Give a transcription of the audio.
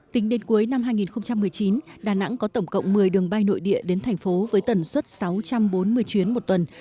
tính đến cuối năm hai nghìn một mươi chín đà nẵng có tổng cộng một mươi đường bay nội địa đến thành phố với tần suất sáu trăm bốn mươi chuyến một tuần